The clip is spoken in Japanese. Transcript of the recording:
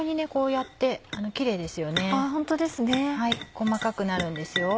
細かくなるんですよ。